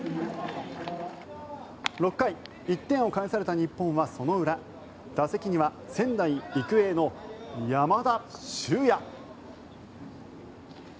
６回、１点を返された日本はその裏打席には仙台育英の山田脩也。